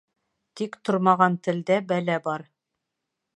Тик тормаған телдә бәлә бар.